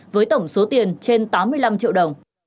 với tổng số tiền trên tám mươi năm triệu đồng